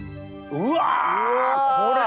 うわ！